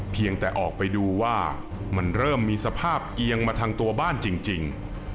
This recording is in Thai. เพียงแต่ออกไปดูว่ามันเริ่มมีสภาพเกียงมาทางตัวบ้านจริง